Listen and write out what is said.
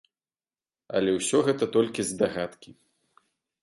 Але ўсё гэта толькі здагадкі.